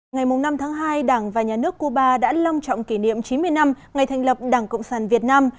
ngày năm tháng hai đảng và nhà nước cuba đã long trọng kỷ niệm chín mươi năm ngày thành lập đảng cộng sản việt nam